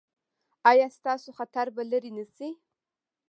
ایا ستاسو خطر به لرې نه شي؟